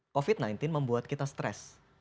covid sembilan belas membuat kita stres